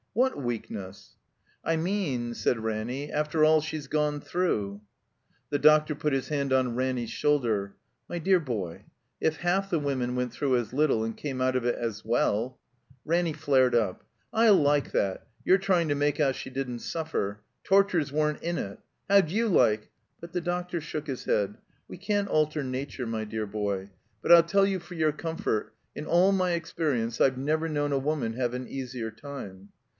"What weakness?" ''I mean," said Ranny, '"after all she's gone through." The doctor put his hand on Ranny's shotdder. "My dear boy, if half the women went through as little and came out of it as well —" Ranny flared up. "I like that — ^your trying to make out she didn't suffer. Tortures weren't in it. How'd you like —" But the doctor shook his head. •' We can't alter Nature, my dear boy. But 111 tell you for your comfort — ^in all my experience I've never known a woman have an easier time."